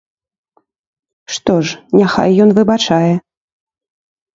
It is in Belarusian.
Што ж, няхай ён выбачае.